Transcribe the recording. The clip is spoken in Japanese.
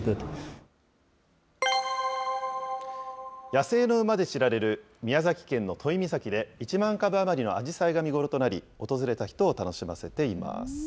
野生の馬で知られる、宮崎県の都井岬で１万株余りのアジサイが見頃となり、訪れた人を楽しませています。